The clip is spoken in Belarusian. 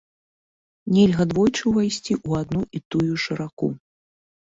Нельга двойчы ўвайсці ў адну і тую ж раку.